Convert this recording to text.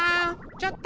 ちょっと！